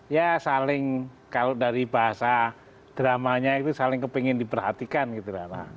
ya saling kalau dari bahasa dramanya itu saling kepingin diperhatikan gitu